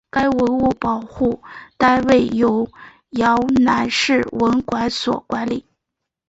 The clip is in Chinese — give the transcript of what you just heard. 该文物保护单位由洮南市文管所管理。